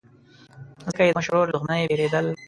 ځکه یې د مشر ورور له دښمنۍ بېرېدل.